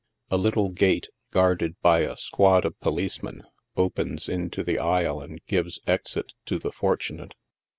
A little gate, guarded by a squad of policemen, opens into the aisle and gives exit to the fortu nate.